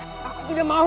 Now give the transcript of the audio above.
aku tidak mau